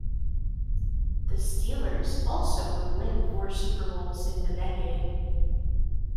The Steelers also would win four Super Bowls in the decade.